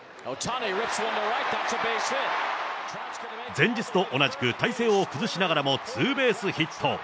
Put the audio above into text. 前日と同じく体勢を崩しながらもツーベースヒット。